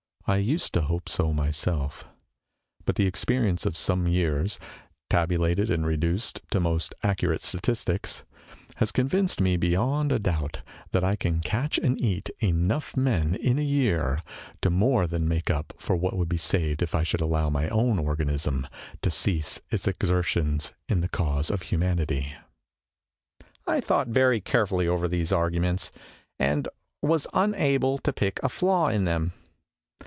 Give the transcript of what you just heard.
" I used to hope so myself. But THE PROFESSOR AND THE PATAGONIAN GIANT 133 the experience of some years, tabulated and reduced to most accu rate statistics, has convinced me beyond a doubt that I can catch and eat enough men, in a year, to more than make up for what would be saved if I should allow my own organism to cease its active exertions in the cause of humanity." I thought very carefully over these arguments and was unable to pick a flaw in them.